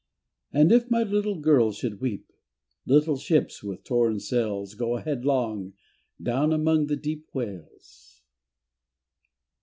And if my little girl should weep, Little ships with torn sails Go headlong down among the deep Whales.